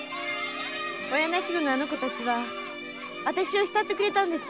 親なし児のあの子たちはあたしを慕ってくれたんです。